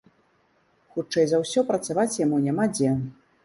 Хутчэй за ўсё, працаваць яму няма дзе.